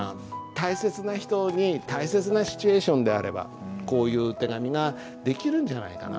大切な人に大切なシチュエーションであればこういう手紙ができるんじゃないかな。